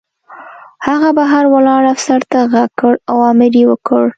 هغه بهر ولاړ افسر ته غږ کړ او امر یې وکړ